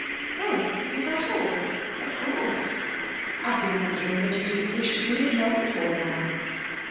'Oh, is that all? Of course! I've been wondering that you didn't wish to do it long before now.'